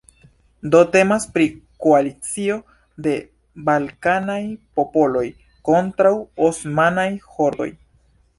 Do temas pri koalicio de balkanaj popoloj kontraŭ osmanaj hordoj.